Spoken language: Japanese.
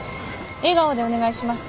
笑顔でお願いします。